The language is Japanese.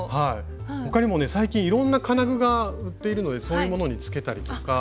他にもね最近いろんな金具が売っているのでそういうものにつけたりとか。